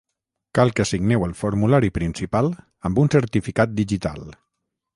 Cal que signeu el formulari principal amb un certificat digital.